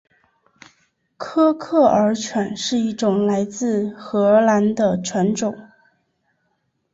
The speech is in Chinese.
科克尔犬是一种来自荷兰的犬种。